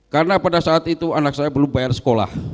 karena pada saat itu anak saya belum bayar sekolah